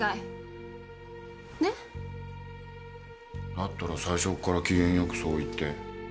だったら最初から機嫌よくそう言って。